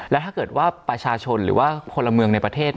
และถ้าเกิดว่าประชาชนหรือว่าคนละเมืองในประเทศ